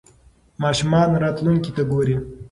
ماشومان راتلونکې ته ګوري.